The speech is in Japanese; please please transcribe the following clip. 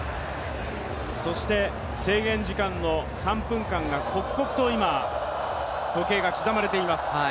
そして制限時間の３分間が刻々と今、時計が刻まれています。